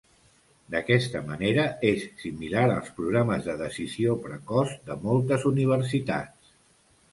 D'aquesta manera, és similar als programes de decisió precoç de moltes universitats.